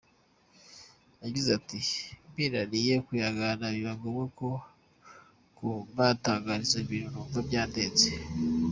Yagize ati “Binaniye kwihangana biba ngombwa ku mbatangariza ibintu numva byandenze.